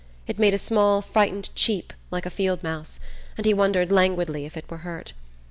It made a small frightened cheep like a field mouse, and he wondered languidly if it were hurt.